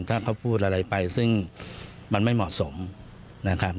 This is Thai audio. ถ้าเขาพูดอะไรไปซึ่งมันไม่เหมาะสมนะครับ